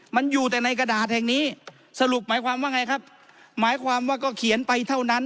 มันอยู่แต่ในกระดาษแห่งนี้สรุปหมายความว่าไงครับหมายความว่าก็เขียนไปเท่านั้น